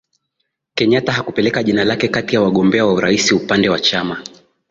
kenyata hakupeleka jina lake kati ya wagombea wa urais upande wa chama